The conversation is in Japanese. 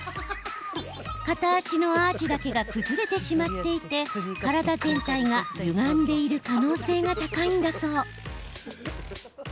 片足のアーチだけが崩れてしまっていて体全体がゆがんでいる可能性が高いんだそう。